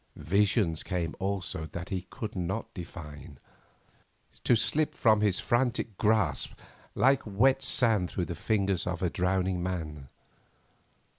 Visions came also that he could not define, to slip from his frantic grasp like wet sand through the fingers of a drowning man.